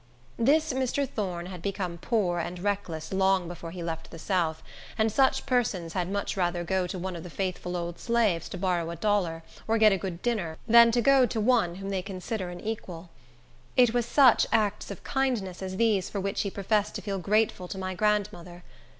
This Mr. Thorne had become poor and reckless long before he left the south, and such persons had much rather go to one of the faithful old slaves to borrow a dollar, or get a good dinner, than to go to one whom they consider an equal. It was such acts of kindness as these for which he professed to feel grateful to my grandmother.